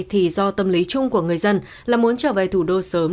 thì do tâm lý chung của người dân là muốn trở về thủ đô sớm